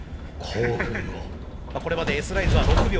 これまでＳライズは６秒９０。